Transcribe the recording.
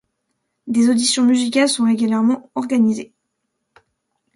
Des auditions musicales sont régulièrement organisés.